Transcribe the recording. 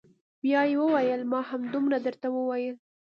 بيا يې وويل ما همدومره درته وويل.